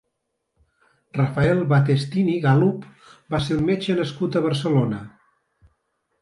Rafael Battestini Galup va ser un metge nascut a Barcelona.